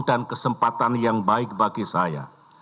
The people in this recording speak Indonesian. dan kesempatan yang baik bagi saya